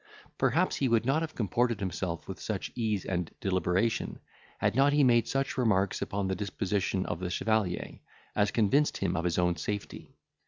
Perhaps he would not have comported himself with such ease and deliberation, had not he made such remarks upon the disposition of the chevalier, as convinced him of his own safety.